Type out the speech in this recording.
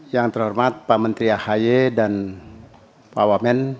yang terhormat pak menteri ahi dan pak wamen